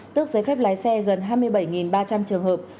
tức giới phép lái xe gần hai mươi bảy ba trăm linh trường hợp